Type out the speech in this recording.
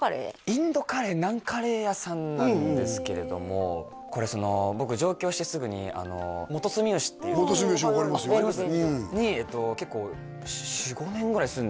インドカレーナンカレー屋さんなんですけれどもこれ僕上京してすぐに元住吉っていう元住吉分かりますよ分かります？